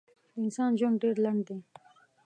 د انسان ژوند ډېر لنډ دی.